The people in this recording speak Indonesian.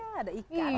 ada ikan tanpa garam